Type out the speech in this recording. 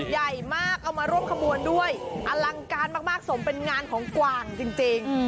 ใหญ่มากเอามาร่วมขบวนด้วยอลังการมากสมเป็นงานของกวางจริง